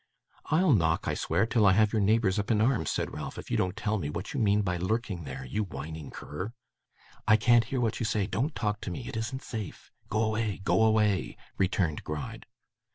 'I'll knock, I swear, till I have your neighbours up in arms,' said Ralph, 'if you don't tell me what you mean by lurking there, you whining cur.' 'I can't hear what you say don't talk to me it isn't safe go away go away!' returned Gride.